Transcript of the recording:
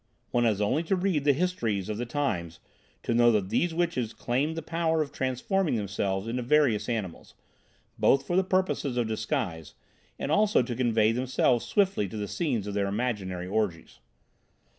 "One has only to read the histories of the times to know that these witches claimed the power of transforming themselves into various animals, both for the purposes of disguise and also to convey themselves swiftly to the scenes of their imaginary orgies.